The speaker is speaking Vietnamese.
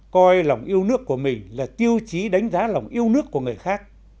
coi lòng yêu nước của mình là tiêu chí đánh giá lòng yêu nước của người khác